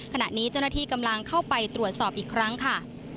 ขณะนี้เจ้าหน้าที่กำลังเข้าไปตรวจสอบอีกครั้งค่ะ